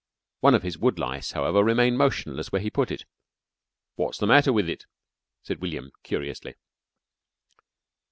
One of his wood lice, however, stayed motionless where he put it. "Wot's the matter with it?" said William, curiously.